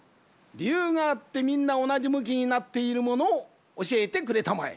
りゆうがあってみんなおなじむきになっているものをおしえてくれたまえ。